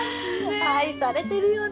愛されてるよね。